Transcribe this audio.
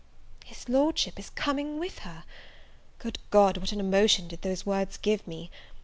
His Lordship is coming with her! Good God, what an emotion did those words give me!